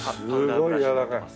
すごいやわらかい。